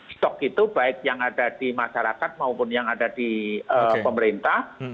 stok itu baik yang ada di masyarakat maupun yang ada di pemerintah